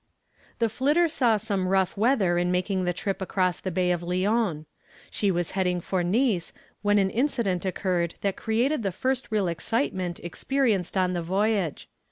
The "Flitter" saw some rough weather in making the trip across the Bay of Lyons. She was heading for Nice when an incident occurred that created the first real excitement experienced on the voyage.